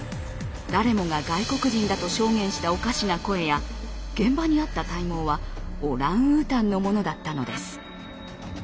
誰もが外国人だと証言したおかしな声や現場にあった体毛はオランウータンのものだったのです。